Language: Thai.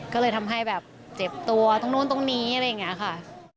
ก็เลยทำให้แบบเจ็บตัวตรงนู้นตรงนี้อะไรอย่างนี้ค่ะ